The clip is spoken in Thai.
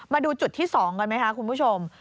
มาดูจุดที่๒กันไหมคะคุณผู้ชม